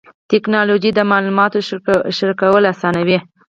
ټکنالوجي د معلوماتو شریکول اسانوي.